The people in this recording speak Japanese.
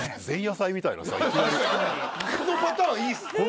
このパターンいいっす。